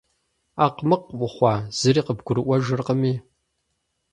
Акъмыкъ ухъуа, зыри къыбгурыӏуэжыркъыми?